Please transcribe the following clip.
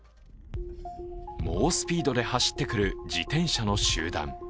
猛スピードで走ってくる自転車の集団。